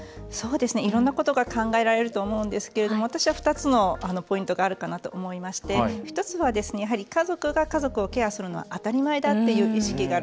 いろんなことが考えられると思うんですが私は２つのポイントがあるかなと思いまして１つは、家族が家族をケアするのは当たり前だっていう意識がある。